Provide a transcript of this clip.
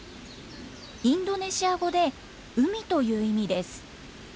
インドネシア語で「海」という意味です。